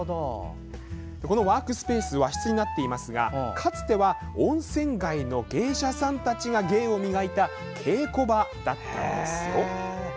このワークスペース和室になっていますがかつては温泉街の芸者さんたちが芸を磨いた稽古場だった場所なんです。